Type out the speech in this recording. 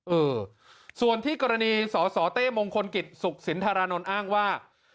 เออส่วนที่กรณีสสเต้มงคลกิจสุขสินธารานนท์อ้างว่า